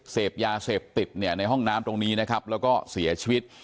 เสพยาเสพติดเนี่ยในห้องน้ำตรงนี้นะครับแล้วก็เสียชีวิต